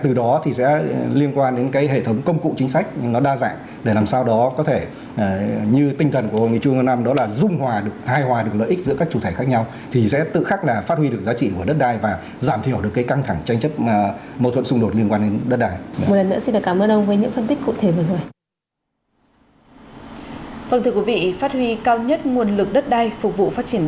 từ đó thì sẽ liên quan đến cái hệ thống công cụ chính sách nó đa dạng để làm sao đó có thể như tinh thần của hội nghị chung năm đó là dung hòa được hài hòa được lợi ích giữa các chủ thể khác nhau thì sẽ tự khắc là phát huy được giá trị của đất đai và giảm thiểu được cái căng thẳng tranh chấp mâu thuẫn xung đột liên quan đến đất đai